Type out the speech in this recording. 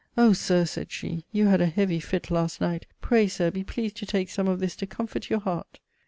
'Oh sir,' sayd she, 'you had a heavy fitt last night, pray, sir, be pleased to take some of this to comfort your heart.'